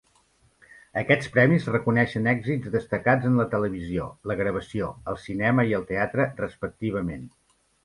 Aquests premis reconeixen èxits destacats en la televisió, la gravació, el cinema i el teatre respectivament.